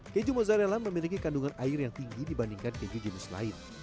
keju mozzarella memiliki kandungan air yang tinggi dibandingkan keju jenis lain